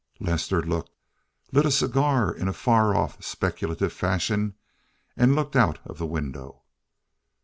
Lester looked, lit a cigar in a far off, speculative fashion, and looked out of the window.